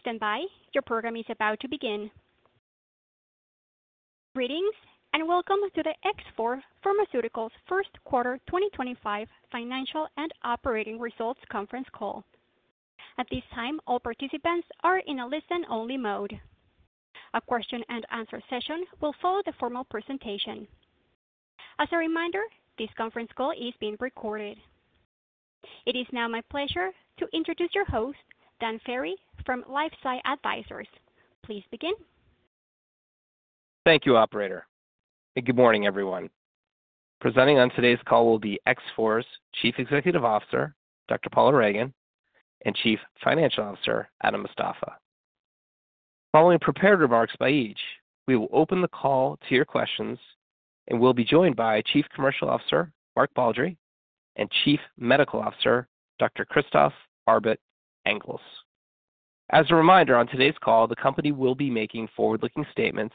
Stand by your program is about to begin. Greetings and welcome to the X4 Pharmaceuticals First Quarter 2025 Financial and Operating Results Conference Call. At this time, all participants are in a listen-only mode. A question-and-answer session will follow the formal presentation. As a reminder, this conference call is being recorded. It is now my pleasure to introduce your host, Dan Ferry from LifeSci Advisors. Please begin. Thank you, Operator. Good morning, everyone. Presenting on today's call will be X4's Chief Executive Officer, Dr. Paula Ragan, and Chief Financial Officer, Adam Mostafa. Following prepared remarks by each, we will open the call to your questions, and we will be joined by Chief Commercial Officer, Mark Baldry, and Chief Medical Officer, Dr. Christophe Arbet-Engels. As a reminder, on today's call, the company will be making forward-looking statements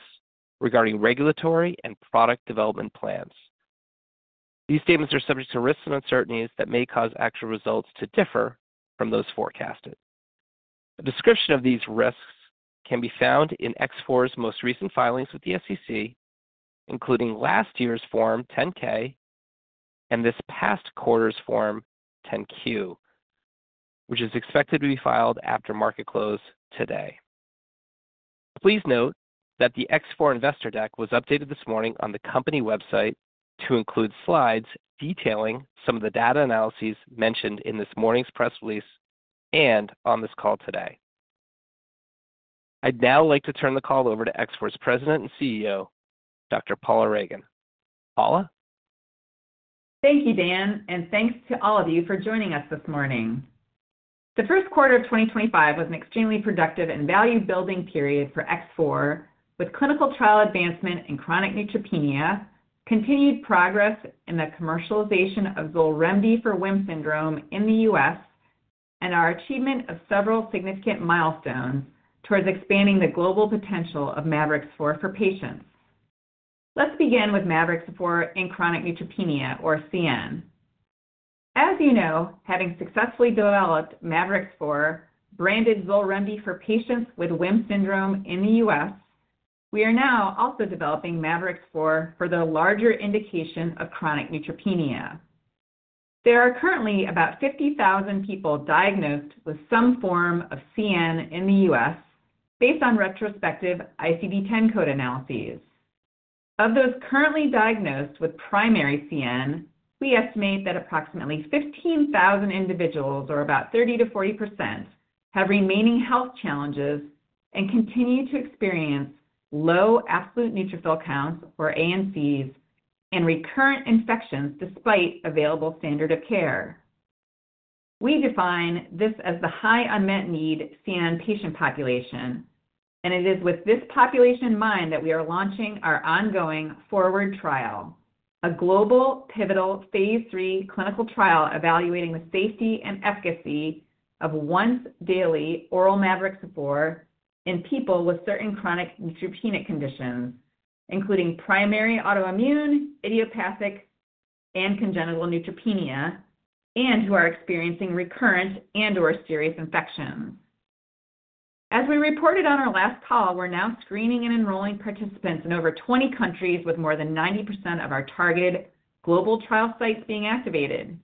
regarding regulatory and product development plans. These statements are subject to risks and uncertainties that may cause actual results to differ from those forecasted. A description of these risks can be found in X4's most recent filings with the SEC, including last year's Form 10-K and this past quarter's Form 10-Q, which is expected to be filed after market close today. Please note that the X4 Investor Deck was updated this morning on the company website to include slides detailing some of the data analyses mentioned in this morning's press release and on this call today. I'd now like to turn the call over to X4's President and CEO, Dr. Paula Ragan. Paula? Thank you, Dan, and thanks to all of you for joining us this morning. The first quarter of 2025 was an extremely productive and value-building period for X4, with clinical trial advancement in chronic neutropenia, continued progress in the commercialization of XOLREMDI for WHIM syndrome in the U.S., and our achievement of several significant milestones towards expanding the global potential of mavorixafor for patients. Let's begin with mavorixafor in chronic neutropenia, or CN. As you know, having successfully developed mavorixafor, branded XOLREMDI for patients with WHIM syndrome in the U.S., we are now also developing mavorixafor for the larger indication of chronic neutropenia. There are currently about 50,000 people diagnosed with some form of CN in the U.S., based on retrospective ICD-10 code analyses. Of those currently diagnosed with primary CN, we estimate that approximately 15,000 individuals, or about 30-40%, have remaining health challenges and continue to experience low absolute neutrophil counts, or ANCs, and recurrent infections despite available standard of care. We define this as the high unmet need CN patient population, and it is with this population in mind that we are launching our ongoing 4WARD trial, a global pivotal phase III clinical trial evaluating the safety and efficacy of once-daily oral mavorixafor in people with certain chronic neutropenic conditions, including primary autoimmune, idiopathic, and congenital neutropenia, and who are experiencing recurrent and/or serious infections. As we reported on our last call, we're now screening and enrolling participants in over 20 countries, with more than 90% of our targeted global trial sites being activated.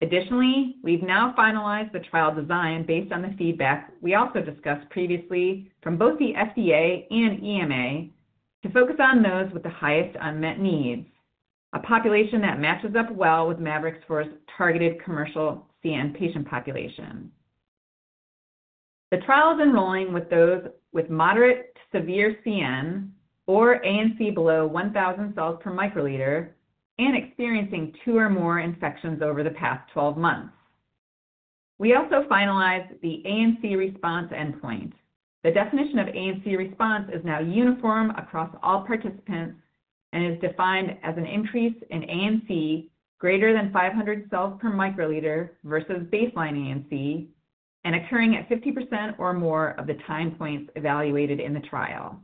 Additionally, we've now finalized the trial design based on the feedback we also discussed previously from both the FDA and EMA to focus on those with the highest unmet needs, a population that matches up well with mavorixafor's targeted commercial CN patient population. The trial is enrolling with those with moderate to severe CN, or ANC below 1,000 cells per microliter, and experiencing two or more infections over the past 12 months. We also finalized the ANC response endpoint. The definition of ANC response is now uniform across all participants and is defined as an increase in ANC greater than 500 cells per microliter versus baseline ANC, and occurring at 50% or more of the time points evaluated in the trial.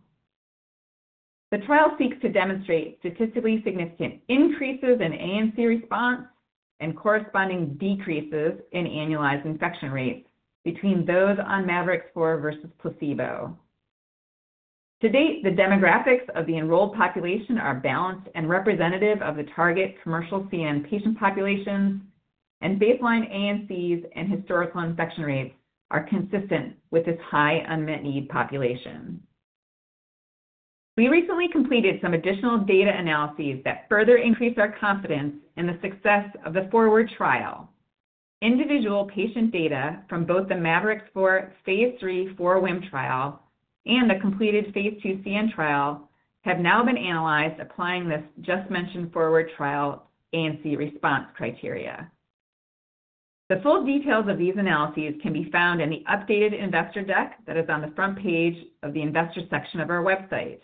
The trial seeks to demonstrate statistically significant increases in ANC response and corresponding decreases in annualized infection rates between those on mavorixafor versus placebo. To date, the demographics of the enrolled population are balanced and representative of the target commercial CN patient populations, and baseline ANCs and historical infection rates are consistent with this high unmet need population. We recently completed some additional data analyses that further increased our confidence in the success of the 4WARD trial. Individual patient data from both the mavorixafor phase III for WHIM trial and the completed phase II CN trial have now been analyzed, applying this just-mentioned 4WARD trial ANC response criteria. The full details of these analyses can be found in the updated Investor Deck that is on the front page of the Investor section of our website.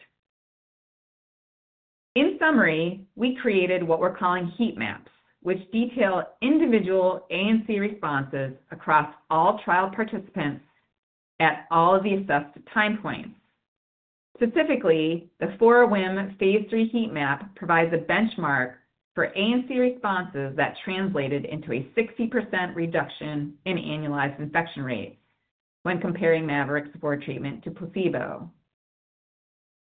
In summary, we created what we're calling heat maps, which detail individual ANC responses across all trial participants at all of the assessed time points. Specifically, the 4WARD phase III heat map provides a benchmark for ANC responses that translated into a 60% reduction in annualized infection rates when comparing mavorixafor treatment to placebo.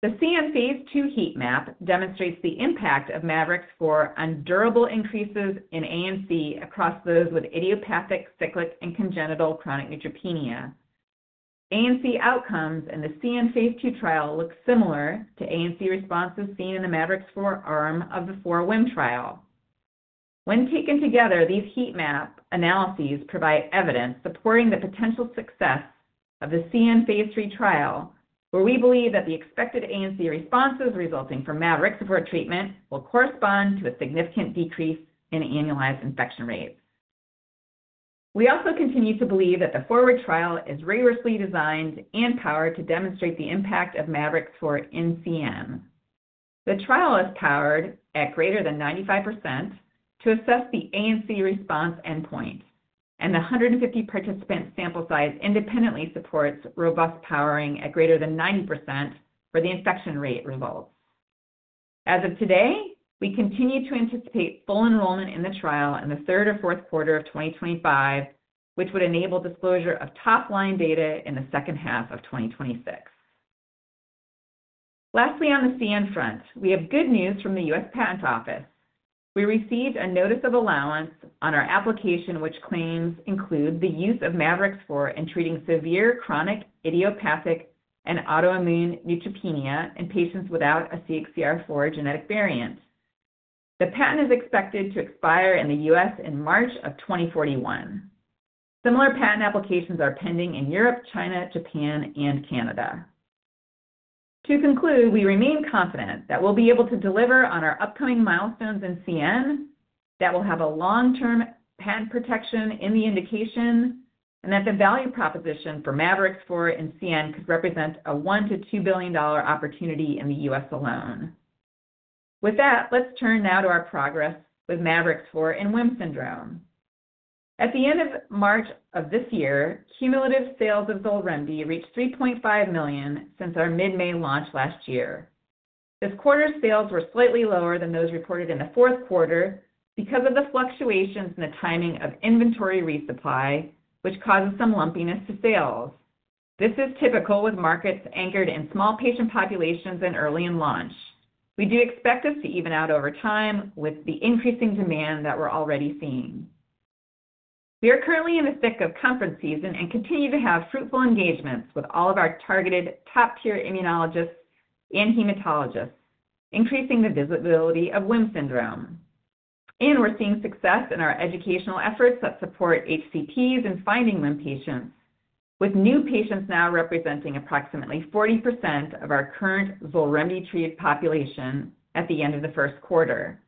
The CN phase II heat map demonstrates the impact of mavorixafor on durable increases in ANC across those with idiopathic, cyclic, and congenital chronic neutropenia. ANC outcomes in the CN phase II trial look similar to ANC responses seen in the mavorixafor arm of the 4WARD trial. When taken together, these heat map analyses provide evidence supporting the potential success of the CN phase III trial, where we believe that the expected ANC responses resulting from mavorixafor treatment will correspond to a significant decrease in annualized infection rates. We also continue to believe that the 4WARD trial is rigorously designed and powered to demonstrate the impact of mavorixafor in CN. The trial is powered at greater than 95% to assess the ANC response endpoint, and the 150 participant sample size independently supports robust powering at greater than 90% for the infection rate results. As of today, we continue to anticipate full enrollment in the trial in the third or fourth quarter of 2025, which would enable disclosure of top-line data in the second half of 2026. Lastly, on the CN front, we have good news from the U.S. Patent Office. We received a notice of allowance on our application, which claims include the use of mavorixafor in treating severe chronic idiopathic and autoimmune neutropenia in patients without a CXCR4 genetic variant. The patent is expected to expire in the U.S. in March of 2041. Similar patent applications are pending in Europe, China, Japan, and Canada. To conclude, we remain confident that we'll be able to deliver on our upcoming milestones in CN, that we'll have a long-term patent protection in the indication, and that the value proposition for mavorixafor in CN could represent a $1 billion-$2 billion opportunity in the U.S. alone. With that, let's turn now to our progress with mavorixafor in WHIM syndrome. At the end of March of this year, cumulative sales of XOLREMDI reached $3.5 million since our mid-May launch last year. This quarter's sales were slightly lower than those reported in the fourth quarter because of the fluctuations in the timing of inventory resupply, which causes some lumpiness to sales. This is typical with markets anchored in small patient populations and early in launch. We do expect this to even out over time with the increasing demand that we're already seeing. We are currently in the thick of conference season and continue to have fruitful engagements with all of our targeted top-tier immunologists and hematologists, increasing the visibility of WHIM syndrome. We're seeing success in our educational efforts that support HCPs in finding WHIM patients, with new patients now representing approximately 40% of our current XOLREMDI treated population at the end of the first quarter.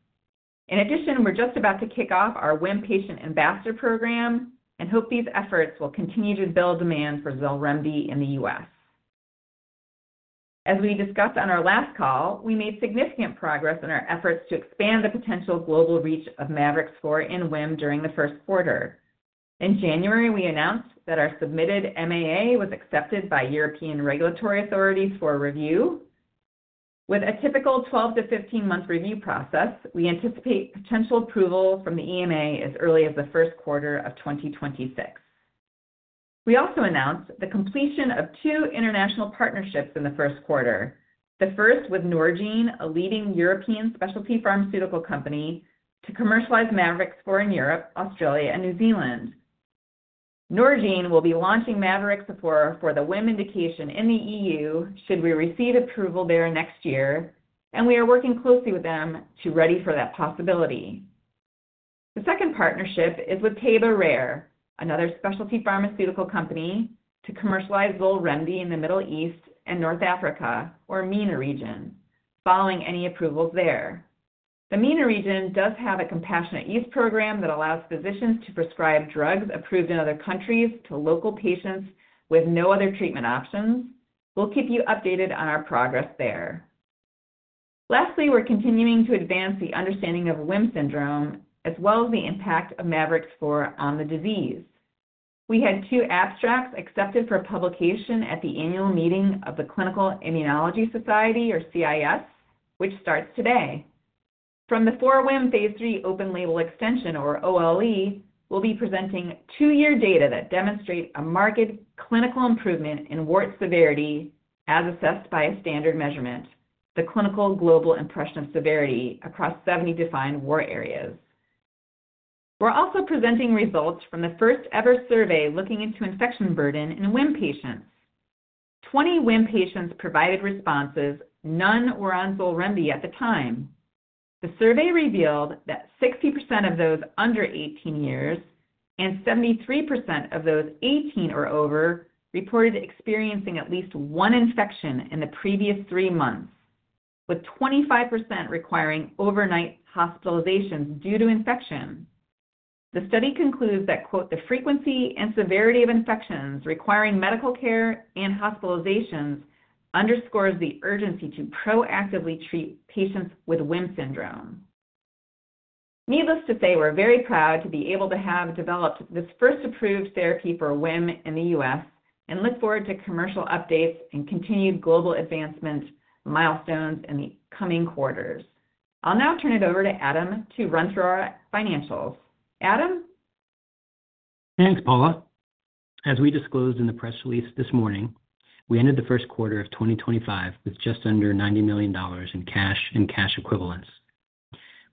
In addition, we're just about to kick off our WHIM patient ambassador program and hope these efforts will continue to build demand for XOLREMDI in the U.S. As we discussed on our last call, we made significant progress in our efforts to expand the potential global reach of mavorixafor in WHIM during the first quarter. In January, we announced that our submitted MAA was accepted by European regulatory authorities for review. With a typical 12-15 month review process, we anticipate potential approval from the EMA as early as the first quarter of 2026. We also announced the completion of two international partnerships in the first quarter, the first with Norgine, a leading European specialty pharmaceutical company, to commercialize mavorixafor in Europe, Australia, and New Zealand. Norgine will be launching mavorixafor for the WHIM indication in the EU should we receive approval there next year, and we are working closely with them to ready for that possibility. The second partnership is with Taiba Rare, another specialty pharmaceutical company, to commercialize XOLREMDI in the Middle East and North Africa, or MENA region, following any approvals there. The MENA region does have a compassionate use program that allows physicians to prescribe drugs approved in other countries to local patients with no other treatment options. We'll keep you updated on our progress there. Lastly, we're continuing to advance the understanding of WHIM syndrome as well as the impact of mavorixafor on the disease. We had two abstracts accepted for publication at the annual meeting of the Clinical Immunology Society, or CIS, which starts today. From the 4WARD phase III open-label extension, or OLE, we'll be presenting two-year data that demonstrate a marked clinical improvement in wart severity as assessed by a standard measurement, the Clinical Global Impression of Severity across 70 defined wart areas. We're also presenting results from the first-ever survey looking into infection burden in WHIM patients. Twenty WHIM patients provided responses; none were on XOLREMDI at the time. The survey revealed that 60% of those under 18 years and 73% of those 18 or over reported experiencing at least one infection in the previous three months, with 25% requiring overnight hospitalizations due to infection. The study concludes that "the frequency and severity of infections requiring medical care and hospitalizations underscores the urgency to proactively treat patients with WHIM syndrome." Needless to say, we're very proud to be able to have developed this first approved therapy for WHIM in the U.S. and look forward to commercial updates and continued global advancement milestones in the coming quarters. I'll now turn it over to Adam to run through our financials. Adam? Thanks, Paula. As we disclosed in the press release this morning, we ended the first quarter of 2025 with just under $90 million in cash and cash equivalents.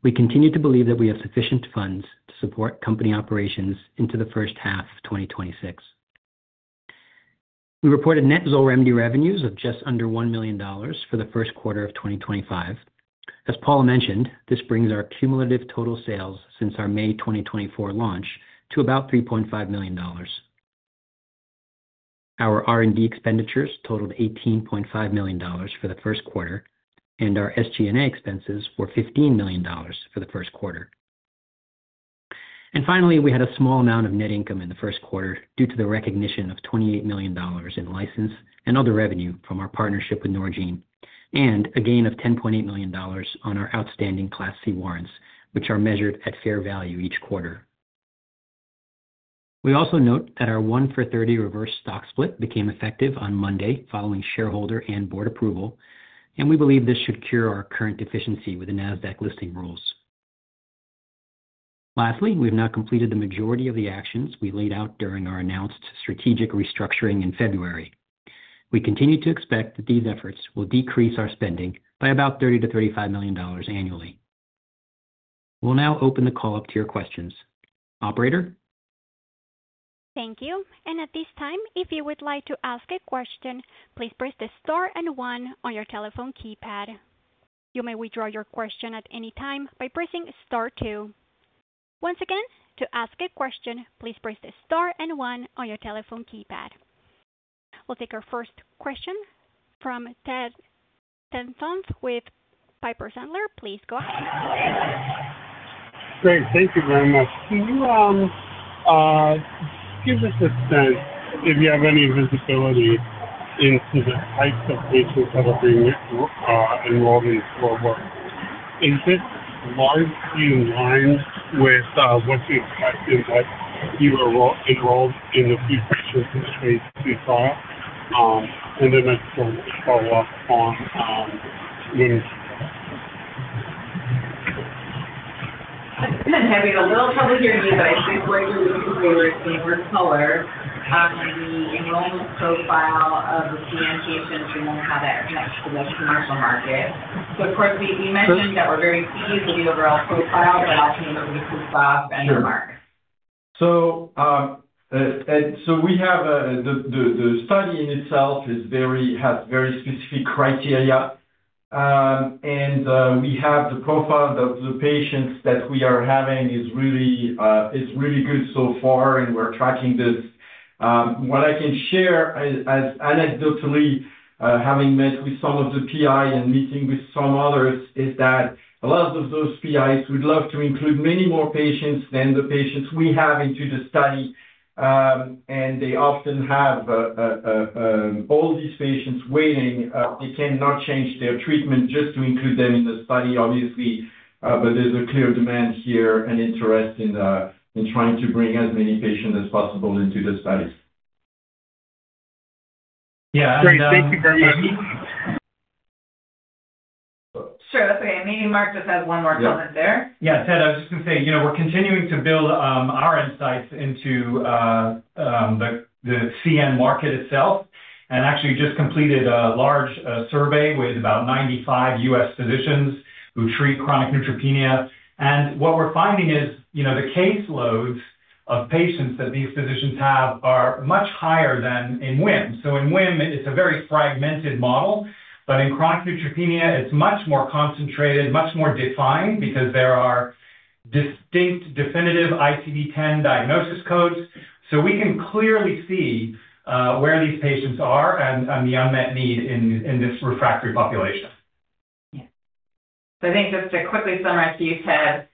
We continue to believe that we have sufficient funds to support company operations into the first half of 2026. We reported net XOLREMDI revenues of just under $1 million for the first quarter of 2025. As Paula mentioned, this brings our cumulative total sales since our May 2024 launch to about $3.5 million. Our R&D expenditures totaled $18.5 million for the first quarter, and our SG&A expenses were $15 million for the first quarter. Finally, we had a small amount of net income in the first quarter due to the recognition of $28 million in license and other revenue from our partnership with Norgine, and a gain of $10.8 million on our outstanding Class C warrants, which are measured at fair value each quarter. We also note that our 1-for-30 reverse stock split became effective on Monday following shareholder and board approval, and we believe this should cure our current deficiency with the NASDAQ listing rules. Lastly, we have now completed the majority of the actions we laid out during our announced strategic restructuring in February. We continue to expect that these efforts will decrease our spending by about $30-$35 million annually. We'll now open the call up to your questions. Operator? Thank you. At this time, if you would like to ask a question, please press the star and one on your telephone keypad. You may withdraw your question at any time by pressing star two. Once again, to ask a question, please press the star and one on your telephone keypad. We'll take our first question from Ted Tenthoff with Piper Sandler. Please go ahead. Great. Thank you very much. Can you give us a sense if you have any visibility into the types of patients that are being enrolled in 4WARD? Is this largely in line with what you expect and what you were enrolled in the few patients in the phase II trial? I just wanted to follow up on WHIM? I'm having a little trouble hearing you, but I think what you're looking for is more color on the enrollment profile of the CN patients and then how that connects to the commercial market. Of course, you mentioned that we're very pleased with the overall profile, but I'll turn it over to Christophe and Mark. Sure. The study in itself has very specific criteria, and the profile of the patients that we are having is really good so far, and we're tracking this. What I can share as anecdotally, having met with some of the PIs and meeting with some others, is that a lot of those PIs would love to include many more patients than the patients we have into the study, and they often have all these patients waiting. They cannot change their treatment just to include them in the study, obviously, but there's a clear demand here and interest in trying to bring as many patients as possible into the studies. Yeah. Thank you very much. Sure. That's okay. Maybe Mark just has one more comment there. Yeah. Ted, I was just going to say, you know we're continuing to build our insights into the CN market itself and actually just completed a large survey with about 95 U.S. physicians who treat chronic neutropenia. What we're finding is the caseloads of patients that these physicians have are much higher than in WHIM. In WHIM, it's a very fragmented model, but in chronic neutropenia, it's much more concentrated, much more defined because there are distinct definitive ICD-10 diagnosis codes. We can clearly see where these patients are and the unmet need in this refractory population. Yeah. I think just to quickly summarize for you, Ted,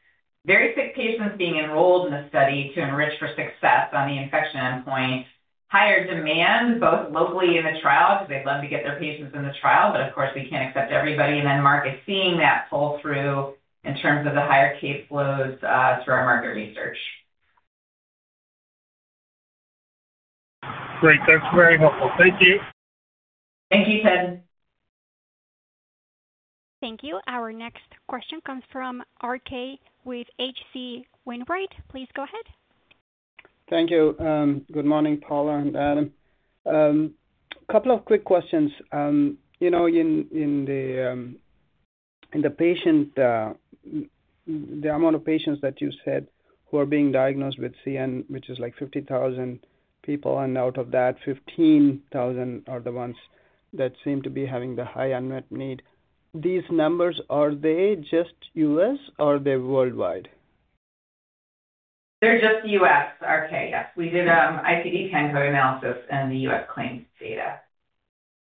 very sick patients being enrolled in the study to enrich for success on the infection endpoint, higher demand both locally in the trial because they'd love to get their patients in the trial, but of course, we can't accept everybody. Mark is seeing that pull through in terms of the higher caseloads through our market research. Great. That's very helpful. Thank you. Thank you, Ted. Thank you. Our next question comes from RK with H.C. Wainwright. Please go ahead. Thank you. Good morning, Paula and Adam. A couple of quick questions. You know in the patient, the amount of patients that you said who are being diagnosed with CN, which is like 50,000 people, and out of that, 15,000 are the ones that seem to be having the high unmet need. These numbers, are they just U.S. or are they worldwide? They're just U.S. RK, yes. We did ICD-10 code analysis and the U.S. claims data.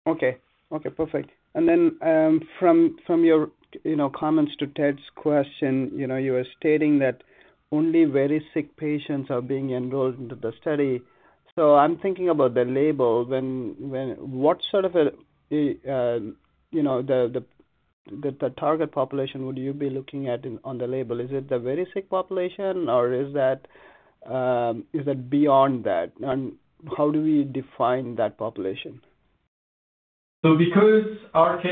Okay. Okay. Perfect. From your comments to Ted's question, you were stating that only very sick patients are being enrolled into the study. I'm thinking about the label. What sort of the target population would you be looking at on the label? Is it the very sick population, or is that beyond that? How do we define that population? Because RK,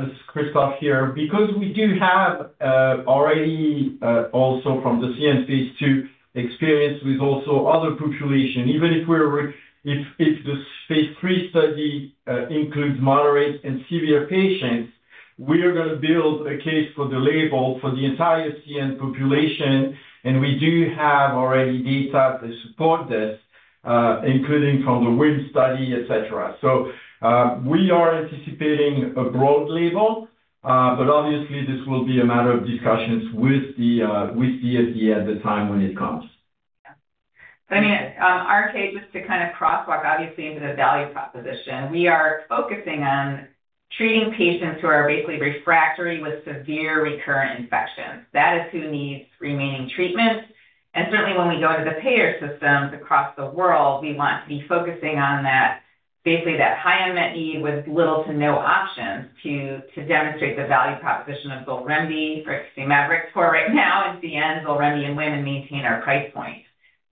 this is Christophe here, because we do have already also from the CN phase II experience with also other population, even if the phase III study includes moderate and severe patients, we are going to build a case for the label for the entire CN population. We do have already data to support this, including from the WHIM study, etc. We are anticipating a broad label, but obviously, this will be a matter of discussions with the FDA at the time when it comes. Yeah. I mean, RK, just to kind of crosswalk, obviously, into the value proposition, we are focusing on treating patients who are basically refractory with severe recurrent infections. That is who needs remaining treatment. Certainly, when we go into the payer systems across the world, we want to be focusing on that, basically that high unmet need with little to no options to demonstrate the value proposition of XOLREMDI. For example, for right now in CN, XOLREMDI and WHIM maintain our price point.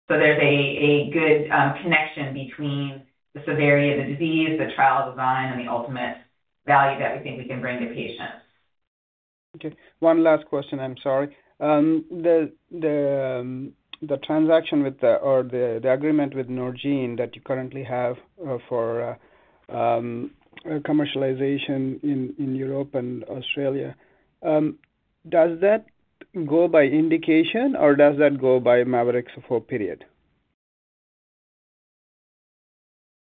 There is a good connection between the severity of the disease, the trial design, and the ultimate value that we think we can bring to patients. Okay. One last question. I'm sorry. The transaction with the or the agreement with Norgine that you currently have for commercialization in Europe and Australia, does that go by indication, or does that go by mavorixafor period?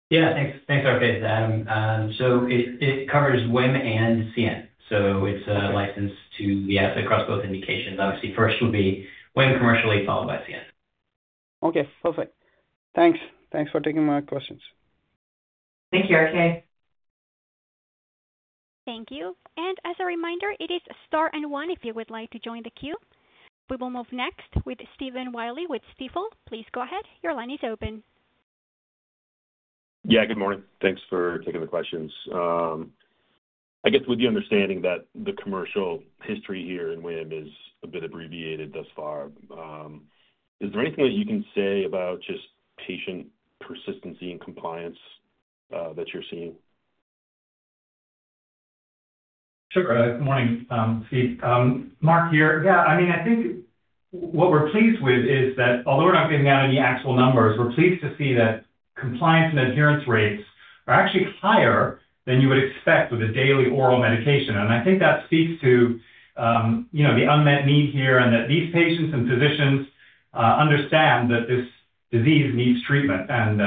Yeah. Thanks, RK, to Adam. It covers WHIM and CN. It is licensed to the asset across both indications. Obviously, first will be WHIM commercially followed by CN. Okay. Perfect. Thanks. Thanks for taking my questions. Thank you, RK. Thank you. As a reminder, it is star and one if you would like to join the queue. We will move next with Stephen Willey with Stifel. Please go ahead. Your line is open. Yeah. Good morning. Thanks for taking the questions. I guess with the understanding that the commercial history here in WHIM is a bit abbreviated thus far, is there anything that you can say about just patient persistency and compliance that you're seeing? Sure. Good morning, Steve. Mark here. Yeah. I mean, I think what we're pleased with is that although we're not giving out any actual numbers, we're pleased to see that compliance and adherence rates are actually higher than you would expect with a daily oral medication. I think that speaks to the unmet need here and that these patients and physicians understand that this disease needs treatment, and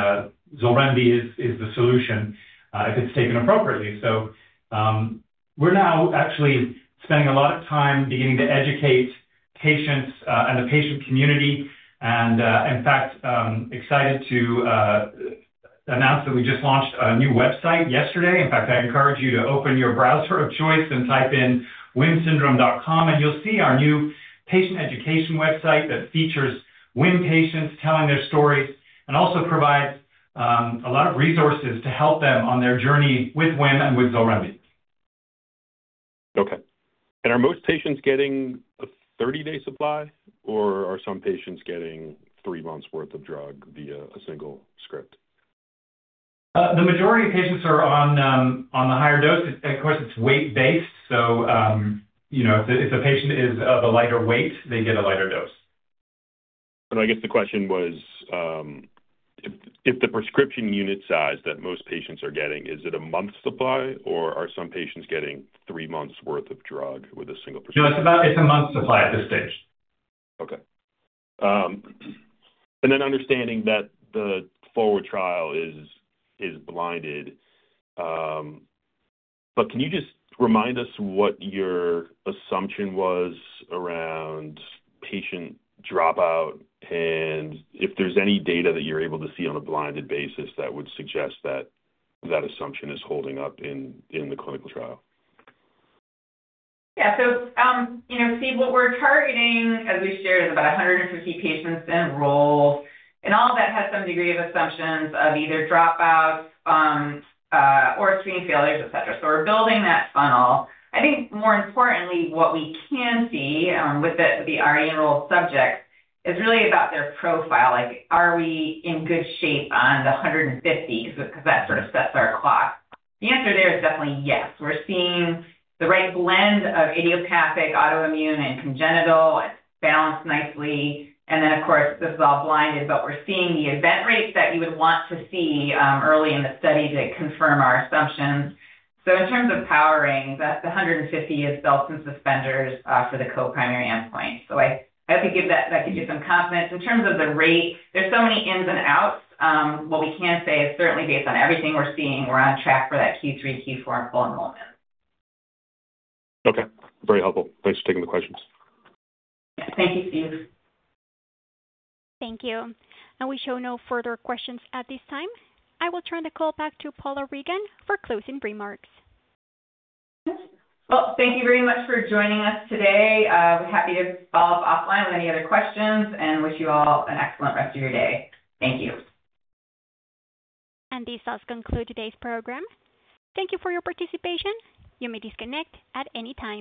XOLREMDI is the solution if it's taken appropriately. We are now actually spending a lot of time beginning to educate patients and the patient community. In fact, excited to announce that we just launched a new website yesterday. In fact, I encourage you to open your browser of choice and type in whimsyndrome.com, and you'll see our new patient education website that features WHIM patients telling their stories and also provides a lot of resources to help them on their journey with WHIM and with XOLREMDI. Okay. Are most patients getting a 30-day supply, or are some patients getting three months' worth of drug via a single script? The majority of patients are on the higher dose. Of course, it is weight-based. If a patient is of a lighter weight, they get a lighter dose. I guess the question was, if the prescription unit size that most patients are getting, is it a month's supply, or are some patients getting three months' worth of drug with a single prescription? No, it's a month's supply at this stage. Okay. Understanding that the forward trial is blinded, can you just remind us what your assumption was around patient dropout and if there's any data that you're able to see on a blinded basis that would suggest that that assumption is holding up in the clinical trial? Yeah. Steve, what we're targeting, as we shared, is about 150 patients enrolled. All of that has some degree of assumptions of either dropouts or screen failures, etc. We're building that funnel. I think more importantly, what we can see with the already enrolled subjects is really about their profile. Are we in good shape on the 150? That sort of sets our clock. The answer there is definitely yes. We're seeing the right blend of idiopathic, autoimmune, and congenital. It's balanced nicely. Of course, this is all blinded, but we're seeing the event rate that you would want to see early in the study to confirm our assumptions. In terms of powering, that 150 is bells and suspenders for the co-primary endpoint. I hope that gives you some confidence. In terms of the rate, there's so many ins and outs. What we can say is certainly based on everything we're seeing, we're on track for that Q3, Q4 full enrollment. Okay. Very helpful. Thanks for taking the questions. Yeah. Thank you, Steve. Thank you. We show no further questions at this time. I will turn the call back to Paula Ragan for closing remarks. Thank you very much for joining us today. We're happy to follow up offline with any other questions and wish you all an excellent rest of your day. Thank you. This does conclude today's program. Thank you for your participation. You may disconnect at any time.